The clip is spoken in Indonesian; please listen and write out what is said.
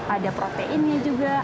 ada proteinnya juga